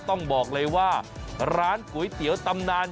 ต้องบอกเลยว่าร้านก๋วยเตี๋ยวตำนาน